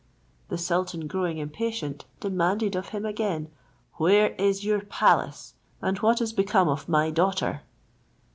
The sultan growing impatient, demanded of him again, "Where is your palace, and what is become of my daughter?"